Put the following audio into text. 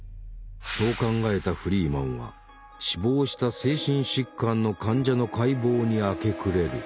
そう考えたフリーマンは死亡した精神疾患の患者の解剖に明け暮れる。